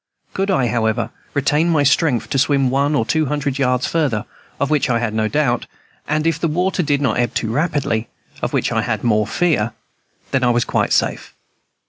Could I, however, retain my strength to swim one or two hundred yards farther, of which I had no doubt, and if the water did not ebb too rapidly, of which I had more fear, then I was quite safe.